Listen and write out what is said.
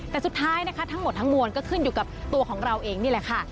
แต่สุดท้ายนะคะทั้งหมดทั้งมวลก็ขึ้นอยู่กับตัวของเราเองนี่แหละค่ะ